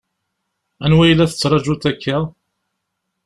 Anwa i la tettṛaǧuḍ akka?